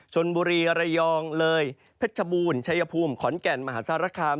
ชนบุรีระยองเลยเพชรบูรณ์ชัยภูมิขอนแก่นมหาสารคาม